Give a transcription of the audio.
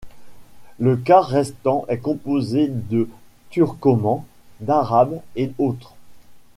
Le quart restant est composé de Turcomans, d'Arabes et autres.